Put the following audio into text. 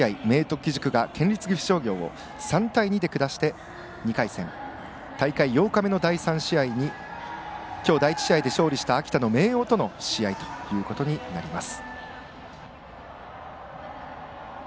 義塾が県立岐阜商業を３対２で下して２回戦大会８日目の第３試合にきょう第１試合で勝利した秋田の明桜との試合ということになります。